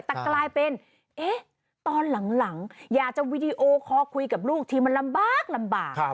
แต่กลายเป็นตอนหลังอยากจะวีดีโอคอลคุยกับลูกทีมันลำบากลำบาก